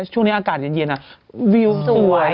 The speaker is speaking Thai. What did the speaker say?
ช่วงนี้อากาศเย็นวิวสวย